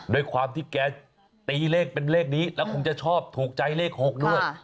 ด้วยความที่แกตีเลขเป็นเลขนี้แล้วคงจะชอบถูกใจเลข๖ด้วย